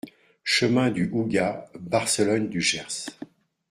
Chemin du Houga, Barcelonne-du-Gers